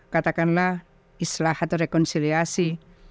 katakanlah islah atau rekonsiliasi